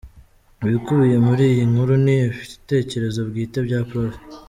Ibikubiye muri iyi nkuru ni ibitekerezo bwite bya Prof.